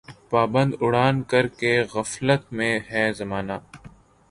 پابند اڑان کر کے غفلت میں ہے زمانہ